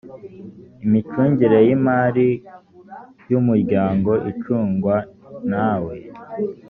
imicungire y ‘imari y ‘umuryango icungwa nawe.